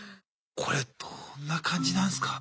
これどんな感じなんすか？